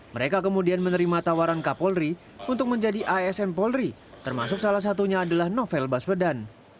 mereka kemudian menerima tawaran kapolri untuk menjadi asn polri termasuk salah satunya adalah novel baswedan